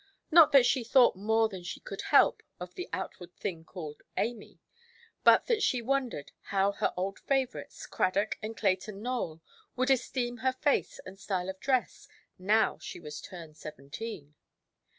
Not that she thought more than she could help of the outward thing called "Amy", but that she wondered how her old favourites, Cradock and Clayton Nowell, would esteem her face and style of dress now she was turned seventeen.